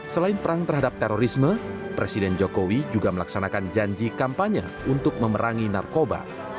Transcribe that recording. selain perang terhadap terorisme presiden jokowi juga melaksanakan janji kampanye untuk memerangi narkoba